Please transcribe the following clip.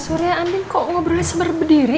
pak surya anding kok ngobrolnya sama berbeda diri